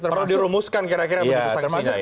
perlu dirumuskan kira kira bentuk sanksinya ya